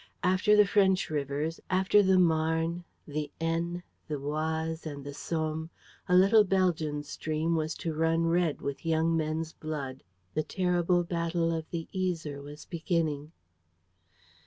After the French rivers, after the Marne, the Aisne, the Oise and the Somme, a little Belgian stream was to run red with young men's blood. The terrible battle of the Yser was beginning.